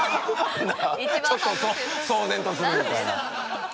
ちょっと騒然とするみたいな。